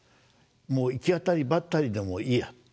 もう行き当たりばったりでもいいや。